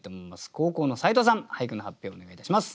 後攻の斉藤さん俳句の発表をお願いいたします。